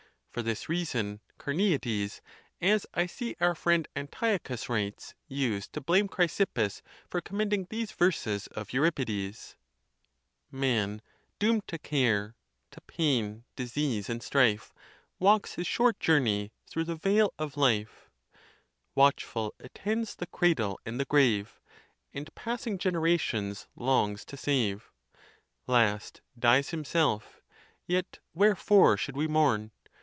For this reason Carneades, as I see our friend Antiochus writes, used to blame Chrysippus for commend ing these verses of Euripides: Man, doom'd to care, to pain, disease, and strife, Walks his short journey thro' the vale of life: Watchful attends the cradle and the grave, And passing, generations longs to save: Last, dies himself: yet wherefore should we mourn?